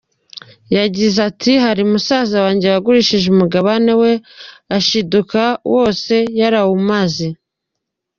Yagize ati “Hari musaza wanjye yagurishije umugabane we ashiduka wose yarawumaze.